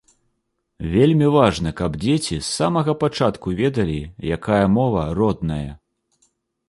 Вельмі важна, каб дзеці з самага пачатку ведалі, якая мова родная.